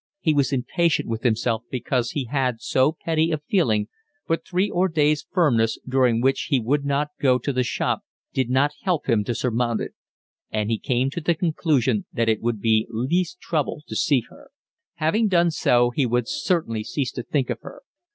He was impatient with himself because he had so petty a feeling, but three or four days' firmness, during which he would not go to the shop, did not help him to surmount it; and he came to the conclusion that it would be least trouble to see her. Having done so he would certainly cease to think of her.